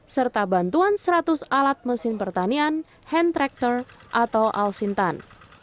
serta bantuan seratus alat mesin pertanian hand tractor atau alsintan